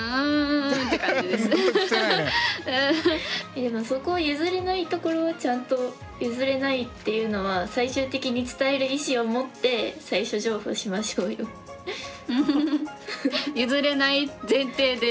でもそこを譲れないところはちゃんと譲れないっていうのは最終的に伝える意志を持って譲れない前提で。